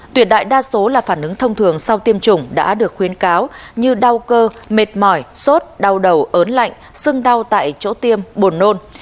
tuyệt đại đa số là phản ứng thông thường sau tiêm chủng đã được khuyến cáo như đau cơ mệt mỏi sốt đau đầu ớn lạnh sưng đau tại chỗ tiêm buồn nôn